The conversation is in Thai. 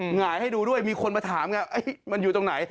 หงายให้ดูด้วยมีคนมาถามไงมันอยู่ตรงไหน